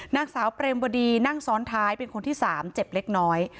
นางสาวเปรมวดีนั่งซ้อนท้ายเป็นคนที่๓เจ็บเล็กน้อย